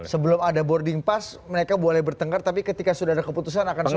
sebelum ada boarding pass mereka boleh bertengkar tapi ketika sudah ada keputusan akan selesai